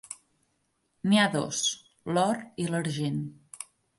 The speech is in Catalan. N'hi ha dos: l'or i l'argent.